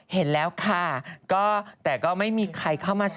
เห็นแล้วค่ะก็แต่ก็ไม่มีใครเข้ามา